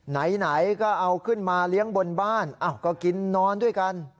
ไหนก็เอาขึ้นมาเลี้ยงบนบ้านก็กินนอนด้วยกัน